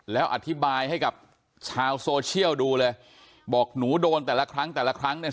แล้วอธิบายให้กับชาวโซเชียลดูเลยบอกหนูโดนแต่ละครั้งแต่ละครั้งเนี่ย